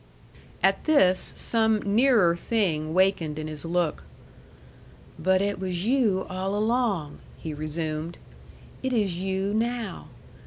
At this, some nearer thing wakened in his look. "But it was you all along," he resumed. "It is you now.